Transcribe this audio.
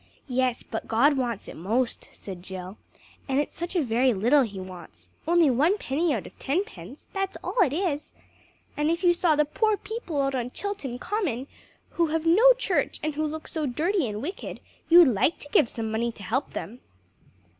"Yes, but God wants it most," said Jill, "and it's such a very little He wants; only one penny out of tenpence, that's all it is. And if you saw the poor people out on Chilton Common, who have no church and who look so dirty and wicked, you'd like to give some money to help them."